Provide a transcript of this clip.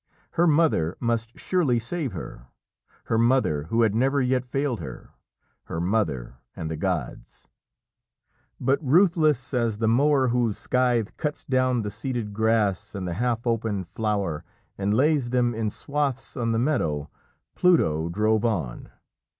Her mother must surely save her her mother who had never yet failed her her mother, and the gods. But ruthless as the mower whose scythe cuts down the seeded grass and the half opened flower and lays them in swathes on the meadow, Pluto drove on.